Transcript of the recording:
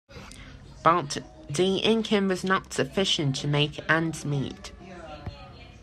But the income was not sufficient to make ends meet.